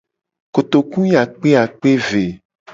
Kotoku akpe yi akpe ve.